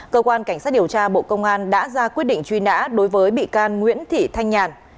cơ quan cảnh sát điều tra bộ công an đã ra quyết định truy nã đối với bị can nguyễn thị thanh nhàn